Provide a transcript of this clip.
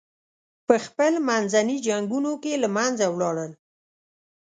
پخپل منځي جنګونو کې له منځه ولاړل.